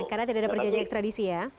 karena tidak ada perjanjian ekstradisi ya